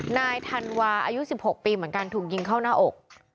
นายธันวาอายุ๑๖ปีเหมือนกันถูกยิงเข้าหน้าอก